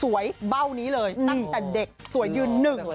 เบ้านี้เลยตั้งแต่เด็กสวยยืนหนึ่ง